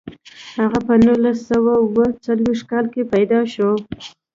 هغه په نولس سوه اووه څلویښت کال کې پیدا شو.